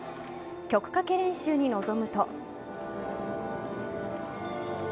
曲かけ練習に臨むと。